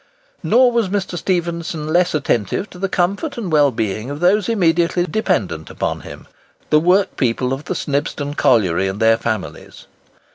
Nor was Mr. Stephenson less attentive to the comfort and well being of those immediately dependent upon him—the workpeople of the Snibston colliery and their families.